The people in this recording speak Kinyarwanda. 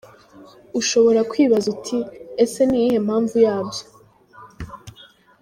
Ushobora kwibaza uti ese ni iyihe mpamvu yabyo?.